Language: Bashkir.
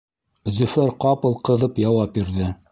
Зөфәр ҡапыл ҡыҙып яуап бирҙе: